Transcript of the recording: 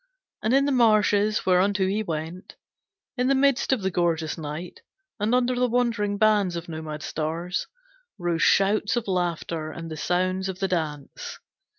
And in the marshes whereunto he went, in the midst of the gorgeous night, and under the wandering bands of nomad stars, rose shouts of laughter and the sounds of the dance.